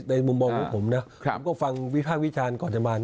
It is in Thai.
ในมุมบอกของผมก็ฟังวิทยาลังก์ก่อนจะมา